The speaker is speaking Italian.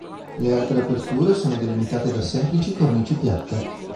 Le altre aperture sono delimitate da semplici cornici piatte.